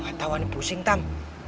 ga tau aneh pusing tam